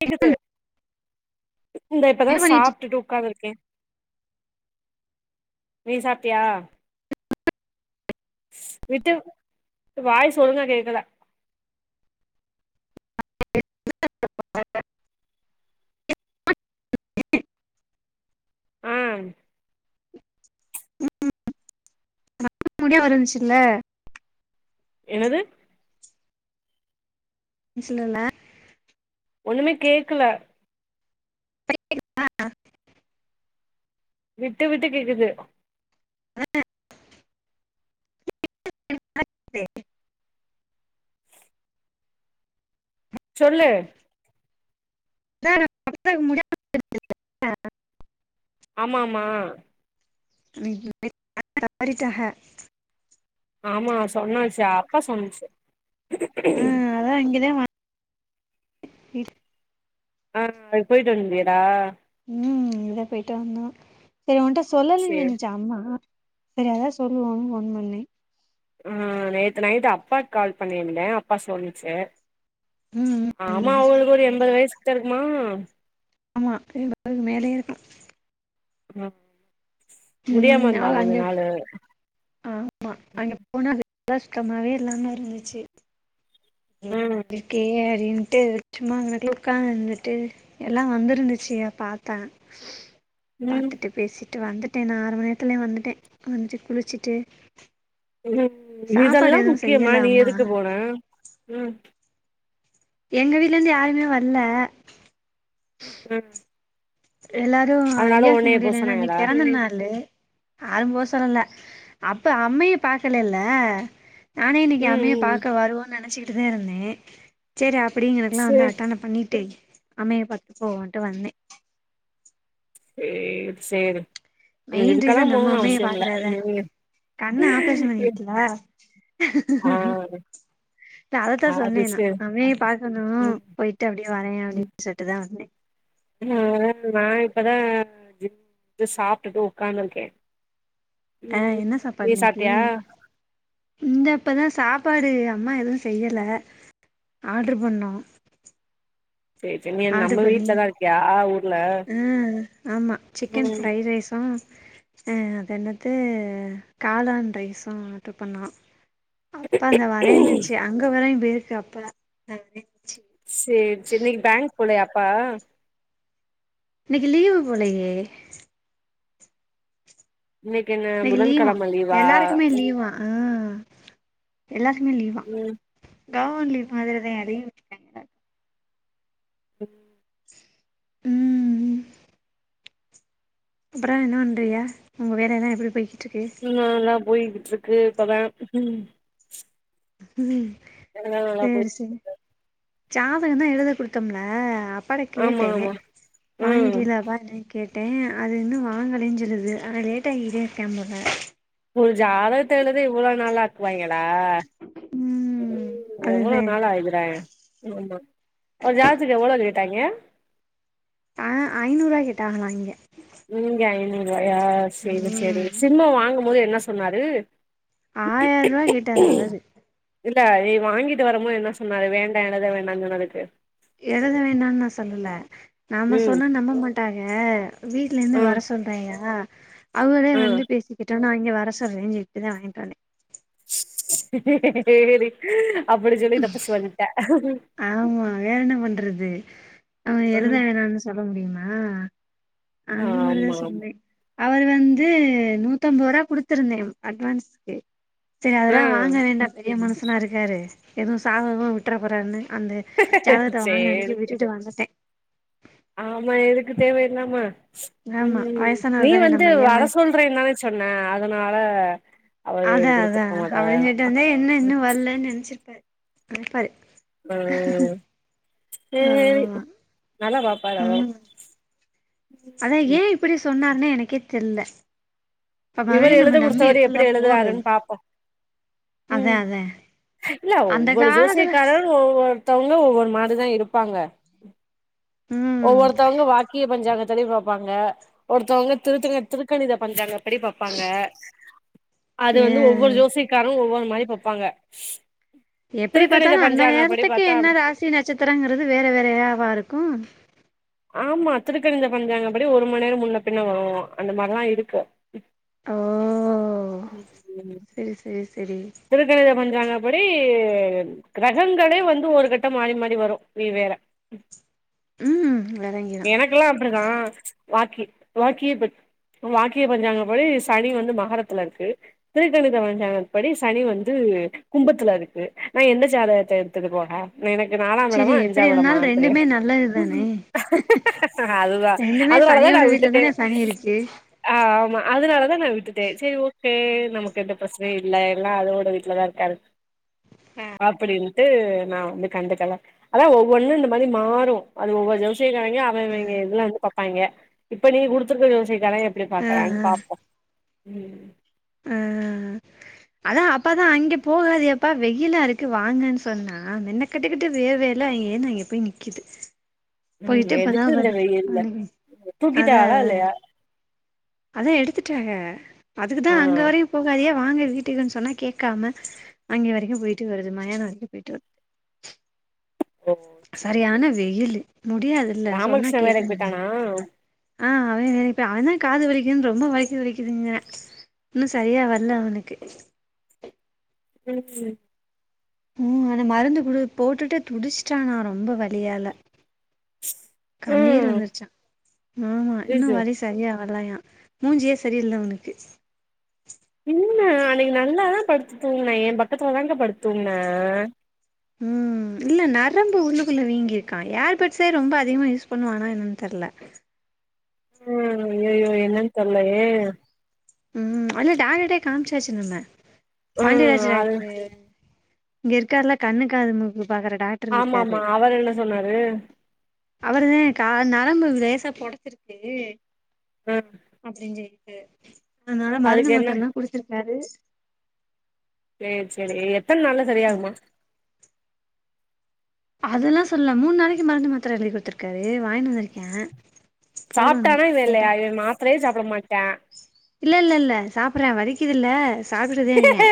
கேக்குது இந்த இப்பதா என்ன பண்ணிட்டு சாப்பிட்டுட்டு உட்காந்து இருக்கே நீ சாப்டியா விட்டு வாய் ஒழுங்கா கேக்கல [unintelligible] ஆம் முடியா வருந்ச்சில்ல என்னது நீ சொல்லல ஒன்னுமே கேக்கல [unintelligible] விட்டு விட்டு கேக்குது [unintelligible] சொல்லு [unintelligible] ஆமா ஆமா [unintelligible] தவறிட்டாக ஆமா சொன்னாச்சி அப்பா சொன்னிச்சி அதா இங்கித வா ஆ அது போயிட்டு வந்தீடா ம் இதா போயிட்டு வந்தோ சரி உன்கிட்ட சொல்லலங்கி சேரி நிச்ச அம்மா சேரி அதா சொல்லுவோன் ஃபோன் பண்ணனே ம் நேத்து நைட்டு அப்பாவுக்கு கால் பண்ணியிருந்தே அப்பா சொல்லிச்சே ம் ம், ஆமா ம் அவுங்களுக்கு ஒரு எண்பது வயசுகிட்ட இருக்குமா ஆமா எம்பதுக்கு மேலே இருக்கு ம் முடியாம ம் இருந்தா அவள் கொஞ்ச அங்கே நாளு ஆமா அங்க போனா அதுல்லா சுத்தமாவே இல்லாம இருந்துச்சி ம் இருக்கே அடின்னுட்டு சும்மா அங்கனுக்குல்ல உக்காந்துட்டு எல்லா வந்தருந்துச்சி பாத்தே ம் பாத்துட்டு பேசிட்டு வந்துட்டே நா ஆறு மண நேரத்துல வந்துட்டே வந்துட்டு குளிச்சிட்டு ம் இதெல்லா முக்கியமா நீ அம்மா எதுக்கு போன ம் எங்க வீட்ல இருந்து யாருமேவல்ல ம் எல்லாரு அதனால ஐயாக்கு உடனே போ முடிலன்னு சொன்னாங்களா இன்னிக்கு பெறந்தநாளு யாரு போ சொல்லல அப்ப அம்மைய பாக்கல இல்ல நானே இன்னிக்கு ம் அம்மைய ம் ம் பாக்க வருவோனு நெனச்சிக்கிட்டு தா இருந்தே சேரி அப்பிடிங்கரக்கல்லா வந்து சேரி அட்டன பண்ணிட்டு அம்மைய பாத்து போவோன்ட்டு வந்தே சேர் சேரி மெயின் இதுக்கெல்லா ரீசன் நம்ம போணுனு அம்மைய அவசியம்ல பாக்குறதுதா நீ கண்ணு ஆப்ரேஷன் பண்ணிருக்கில ஆ ட அதத்தா அது சொன்னே நா சேரி ஆம்மைய பாகணு ம் போயிட்டு அப்டியேவரே ம் அப்டின்னு சொல்லிட்டு தா வந்தே ஆ நா இப்பதா ஜிம்ட் சாப்ட்டுட்டு உக்காந்ருக்கே ஆ ம் என்ன சாப்பாடு நீ இன்னைக்கி சாப்டியா இந்த இப்பதா சாப்பாடு அம்மா எதுவு செய்யல ஆட்ர் பண்ணு சேரி சேரி நீ நம்ம ஆர்டர் பண்ணி, வீட்லதா இருக்கியா ஊர்ல ம் ஆமா சிக்கன் ம் ஃப்ரைடு ரைஸ் ஆ ஆ அது என்னது காளான் ரைஸும் ஆர்டரு பண்ணா அப்பா அந்தா வரேன்னுச்சு அங்க வரையு போயிருக்கு அப்பா இந்தா வரே சேரி சேரி இன்னைக்கு பேங்க் போலயா அப்பா இன்னைக்கி லீவ் போலயே இன்னைக்கு என்ன இன்னைக்கு லீவா எல்லாருக்குமே லீவா ஆ எல்லாத்துக்குமே லீவா ம் கவர்மெண்ட் லீவ் மாதிரிதா அதையு ஓ ம் அப்புறோ என்ன பண்றீங்க உங்க வேலையெல்லா எப்டி போய்கிட்ருக்கு ம் நல்லா போயிட்டு இருக்கு இப்பதா ம் எல்லா நல்லா போய் சேரி சேரி ஜாதகம்தா எழுத குடுத்தம்ல அப்பாட்ட ஆமா கேட்டே ஆமா ம் வாங்கிட்டியலா அப்பான்னு கேட்டே அது இன்னு வாங்கலன்னு சொல்லுது அவ லேட்டாக்கிட்டே இருக்கா போல ஒரு ஜாதகத்த எழுத இவ்ளோ நாளா க்குவாங்களா ம் எவ்ளோ அதுதே நாளா எழுதுறா ஆமா, ஒரு ஜாதகத்துக்கு எவ்ளோ கேட்டாங்க ஆ ஐநூறு ரூவா கேட்டாங்ளா இங்க இங்க ஐநூறுபாயா சேரி சேரி ம் சிம்ம வாங்கும்போது என்ன சொன்னாரு ஆயிர ரூவா கேட்டாரு அவரு இல்ல நீ வாங்கிட்டு வருமோது என்ன சொன்னாரு வேண்டா எழுத வேண்டானு சொன்னதுக்கு எழுத வேண்டானு நா சொல்லல நாம்ம ம் சொன்னா நம்ப மாட் ட்டாக வீட்ல இருந்து ஆ வர சொல்றாயா அவரே ஆ வந்து பேசிக்கிட்டு நா இங்க வர சொ ல்றேன்ட்டுதா வாங்கிட்டு வந்தே சேரி அப்டி சொல்லி தப்பிச்சி வந்ட்ட ஆமா வேற என்ன பண்றது‌ அவ எழுத ம் வேணானு சொல்ல முடியுமா அந்த மாரிதா ஆமா ஆமா சொன்னே அவர் வந்து நூத்தம்பதுரூபா குடுத்துருந்தே அட்வான்ஸ்க்கு சேரி ஆ அதெல்லா வாங்க வேண்டா பெரிய மனுசனா இருக்காரு எதுவு சாபம்கீபம் விட்றப்போறாருனு அந்த ஜாதத்த வாங்கன சேரி அன்னைக்கே விட்டுட்டு வந்துட்டே ஆமா எதுக்கு தேவையில்லாம ஆமா ம் நீ வயசானவர் தானே வந்து நம்ம ஐயா வர மாரி சொல் றோன்னுதான சொன்ன அதனால அவரு அதா அதா குடுத்துருக்க மாட்டாரு அப்டின்னு சொல்லிட்டு வந்தே, என்ன இன்னு வரலன்னு நெனைச்சிருப்பாரு நெனப்பாரு ம் சேரி ஆமா ‌ நல்லா பாப்பாரு அவரும் ம் அதா ஏ இப்டி சொன்னாருன்னே எனக்கே தெர்ல அப்ப இவர் மறுபடியு எழுத நம்ம நம்பி கொடுத்தவரு எப்படி எப்புட்லா எழுதுறாருன்னு போறது பாப்போ அதா ம் அதா இல்ல அந்த ஒவ்வொரு காலத்துல ஜோசியக்காரரு ஒவ்வொருத்தவங்க ஒவ்வொரு மாரிதா இருப்பாங்க ம் ஒவ்வொருத்தவங்க வாக்கிய பஞ்சாங்கத்துலைவு பாப்பாங்க ஒருத்தவங்க திருத்தங்க திருக்கணித பஞ்சாங்கபடி பாப் பாங்க அது எ வந்து ஒவ்வொரு ஜோசிக்காரும் ஒவ்வொரு மாரி பாப்பாங்க எப்படி திருக்கணித பாத்தாலு அந்த பஞ்சாங்கப்படி நேரத்துக்கே பாத்தா என்ன ராசி நட்சத்திரங்கிறது வேற வேறயாவா இருக்கு ஆமா திருக்கணித பஞ்சாங்கபடி ஒரு மணி நேரம் முன்ன பின்ன வரு அந்த மாரிலா இருக்கு ஓ செரி செரி செரி திருக்கணித பஞ்சாங்க படி கிரகங்களே வந்து ஒரு கட்ட மாறி மாறி வரும் நீ வேற ம் வெலங்கிடும் இங்கயெல்லா அப்டி தா வாக்கி வாக்கியே பெட் வாக்கிய பஞ்சாங்கபடி சனி வந்து மகரத்துல இருக்கு திருக்கணித பஞ்சாங்க படி சனி வந்து கும்பத்துல இருக்கு நான் எந்த ஜாதகத்த எடுத்துட்டு போக எனக்கு நாலாம் எடமா செரி அஞ்சா எப்டி எடமா இருந்தாலு ரெண்டுமே தெரியாது நல்லது தானே ஆ அதுதான் ரெண்டுமே அதுனாலதா நா சனியோட வீட்ல விட்டுட்டே தானே சனி இருக்கு ஆ ஆமா அதனாலதா நா விட்டுட்டே செரி ஓகே நமக்கு எந்த பிரச்சனை இல்ல எல்லா அதோட வீட்ல தான் இருக்காரு அப்டின்னு தத்து நான் வந்து கண்டுக்கல அத ஒவ்வொன்னும் இந்த மாதிரி மாறும் அது ஒவ்வொரு ஜோசியகாரங்க இதெல்லாம் வந்து பாப்பாங்க இப்ப நீ குடுத்துருக்க விவசாயிக்காராமங்க எப்டி ஆ பாக்கறான்னு ஆ பாப்போம் ம் அதான் அப்ப தான் அங்கே போகாத அப்பா வெயிலா இருக்கு வாங்கன்னு சொன்னா என்ன கிட்டக்கிட்ட வேற்வேல அங்கே ஏன்னு அங்கே போய் நிக்கிது ம் எதுக்கு இல் வெயில்ல அன்னைக்கு தூக்கிட்ட அள இல்லையா அதான் எடுத்துட்டாங்க ஆ அதுக்குதான் அங்க வரையும் போகாதையே வாங்கக்வீட்டுக்குன்னு சொன்னா கேட்காம அங்கே வரைக்கும் போயிட்டு வருது மயானம் வரைக்கும் போயிட்டு வருது ஓ செரியான வெயிலு முடியாதுல்ல சொன்னா ராமகிருஷ்ண கேக்க வேலைக்கு போய்ட்டானா மாட்டேங்குது ஆ அவன் நினப்பே அவன் தான் காது வலிக்குதுன்னு ரொம்ப வலிக்குது வலிங்குதுங்க இன்னும் செரியா வரல அவனுக்கு ம் ம் ம் அந்த மருந்து குடு போட்டுட்டு துடிச்சிட்டானா ரொம்ப வழியால கண்ணீர் ம் வந்துருச்சா ஆ ஆ இன்னும் ஐயையோ வழி செரியா வர்லாயா மூஞ்சியே செரியில்ல அவனுக்கு இல்ல அன்னைக்கு நல்லாதான் படுத்து தூங்குனா என் பக்கத்துல தான் கா படுத்து தூங்குனா ம் இல்ல நரம்பு உள்ளக்குள்ள வீங்கி இருக்கா ஏர்பர்ட்ஸே ரொம்ப அதிகமா யூஸ் பண்ணுவானா என்னன்னு தெர்ல ம் அய்யயோ என்னனு தெர்லயே ம் அல்ல டாக்டருகிட்டயே காமிச்சாச்சு நம்ம ம் பாண்டியராஜு அது டாக்டரு இங்க இருக்காருல்ல கண்ணு காது மூக்கு பாக்குற டாக்டர் ஆமா இருக்காரு ஆமா அவர் என்ன சொன்னாரு அவர்தான் கா நரம்பு லேசா பொடைச்சிருக்கு ம் அப்டின்னு சொிட்டு அதனால மருந்து அதுக்கு என்ன மாத்திர எல்லா குடுத்திருக்காரு செரி செரி எத்தன் நாள்ல செரியகுமா அதெல்லா சொல்ல மூணு நாளைக்கு மருந்து மாத்திர எழுதி கொடுத்துருக்காரு வாங்கினு வந்திருக்கேன் சாப்பிட்டானா இது இல்லைய இன் மாத்திரே சாப்பிட மாட்டா இல்ல இல்ல இல்ல சப்புறா வலிக்குதுயில்ல சாப்பிடுதா இருக்கியா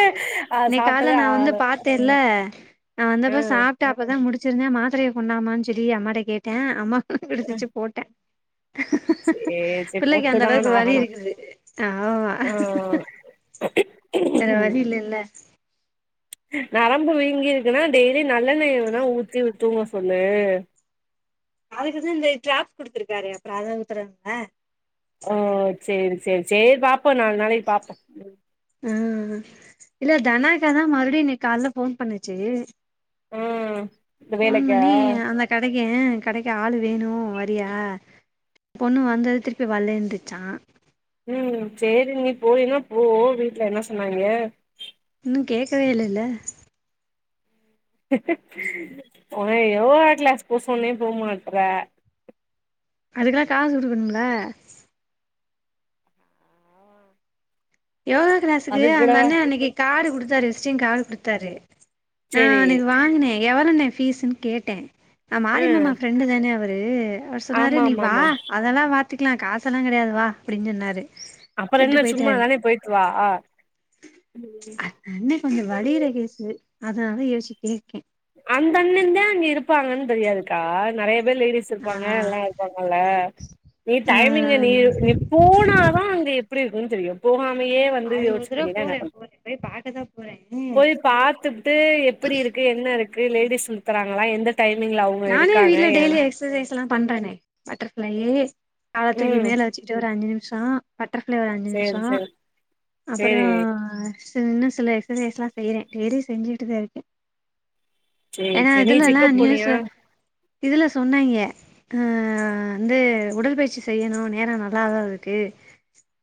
அது இன்னைக்காலைல சாப்ட்டதே நான் வந்து ஆகல பாத்தேன்ல நான் ஆ வந்தப்ப சாப் ட்டு அப்பதான் முடிச்சிருந்தேன் மாத்திரையை கொண்டாமான்னு சொல்லி அம்மாட கேட்டன் அம்மா ஆ குடுத்துச்சு போட்டா சேரி சேரி பிள்ளைக்கு அந்த போட்டுதான் அளவுக்கு வலி ஆகணு இருக்குது ஆ மா ஆ வேற வலி இல்லல நரம்பு வீங்கிருக்குன்னா டெய்லி நல்லெய்ய வேனா ஊத்தி தூங்க சொல்லு அதுக்குதான் இந்த டிரராப் குடுத்துருக்காரு அப்புறம் அதான் உத்தரல ம் செரி செரி செர் பா்ப்போம் நாலு நாளைக்கு பா்போம் ஆ இல்ல தனாக்காதான் மறுபடியும் இன்னைகால போன் பண்ணுச்சு ஆ இந்த போன் வேலைக்கா பன்னி அத கடைக்கு கடைக்கு ஆளு வேணும் வரியா பொண்ணு வந்தது திருப்பி வல்லன்ருச்சான் உம் செரி நீ போயனா போ வீட்டுல என்ன சொன்னாங்க இன்னும் கேட்கவே இல்லல உன்ன யோகா கிளாஸ் போ சொன்னா போ மாட்ற அதுக்கெல்லாம் காசு கொடுக்கணுல யோகா கிளாஸுக்கு அதுக்கு அந்த கூட அண்ணன் அன்னைக்கு காடு கொடுத்தாரு விஸ்ட் கார்டு கொடுத்தாரு ஆ சேரி அண்ணைக் வாங்கினேன் எவ்வளண்ண பீஸ்ன்னு கேட்டேன் நான் ஆ மாரியமமா ரெண்டு தானே அவரு அவர் சொன்னாரு ஆமா நீ ஆமா வா ஆமா அதெல்லாம் பாத்தக்கலாம் காசெல்லாம் கிடையாது வா அப்படின்னு சொன்னாரு அப்ரோ திட்டு என்ன சும்மா போயிட்டாரு தானே போயிட்டு வா ண்ண கொஞ்சோ வலிற கேசு அதனாலதா யோசிச்சு கே்கேன் அந்தண்ணந்தே அங்க இருப்பாங்கன்னு தெரியாதுக்கா நறைய பேர் லேடிஸ் ஆ இருப்பாங்க எல்லாம் இருப்பாங்கல்ல நீ ஆ டைமிங்க நீ போனாதான் அங்க எப்படி இருக்குன்னு தெரியும் போகாமே வந்து அது ஒரு தடவ யோிச்சுக்குன்னா என்ன போறே சொண்ற போறே போய் பாக்கதான் போறேன் ம் பார்த்துட்டு எப்படி இருக்கு என்ன இருக்கு லேடிஸ் கொக்குறாங்களா எந்த டைமிங்ல அவங்க இருக்காங்க ஏனா எக்சைஸ் எலாம் பண்றானே பட்டர்ஃப்ளைையே கால தூக்கி ம் மேலே வச்சுட்டு ஒரு அஞ்சு நிமிஷம் பட்டர்ஃப்ளை ஒரு அஞ்சு சேரி நிமிஷம் சேரி அப்ரோ சேரி இன்னும் சில எக்ஸசைஸ்லா செய்யற டெய்லிம செஞ்சுட்டுதான் இருக்க சேரி ஏனா சேரி நீ இதுலல்லாம் செக்கப் நியூஸ் போனியா இதுல சொன்னாங்க ஆ வந்து உடற்பயிற்சி செய்யணும் நேரம் நல்லாதான் இருக்கு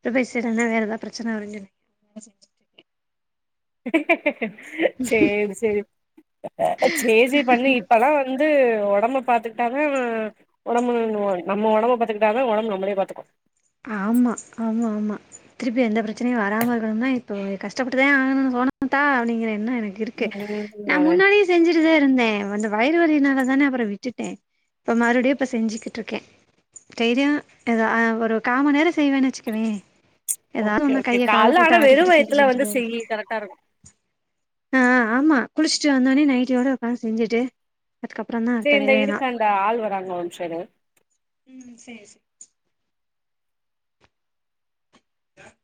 உடற்பயிற்சி செய்லனா வேற ஏதா பிரச்சன வருங்கனு செரி செரி சே சரி பண்ணி இப்பல்லாம் வந்து உடம்ப பாத்துக்கிட்டாங்க உடம்பு நம்ம உடம்ப பாத்துக்கிட்டா உடம்ப நம்மளே பாத்துக்கோ ஆமா ஆமா ஆமா திருப்பி எந்த பிரச்சனையும் வராமல் இருக்கணும்னா இப்போது கஷ்டப்பட்டுதான் ஆகணும்னு சொலமுத்தா அப்படிங்கிற என்ன எனக்கு இருக்கு ம் நான் அத முன்னாடியே சென்சிட்டுதா இருந்த வந்து வயிறு வலினால தானே அப்ரோ விட்டுட இப்ப மறுபடியும் இப்ப செஞ்சுக்கிட்டு இருக்கேன் தைரியம் ஏத ஒரு காம நேரம் செய்வேன்னு வச்சுக்குவேன் ஏதாவது ஓகே ஒன்னு ஓகே கைய கால கால்ல போட்டு ஆனா வெறு ஆட்டிக்கிட்டு வயத்துல வந்து செஞ்சுக்கிட்டுதான் இரு செய்யி கரெக்டா இருக்கு ஆ ஆ ஆமா குளிச்சுட்டு வந்தோனே நைட்டியோட உக்காந்து செஞ்சுட்டு அதுக்கப்புறந்தா அடுத்த சரி இந்த வேலையெல்லா இருக்கு அந்த ஆள் வராங்க ஒருனிமிசோ இரு ம் செர் செர் ஏ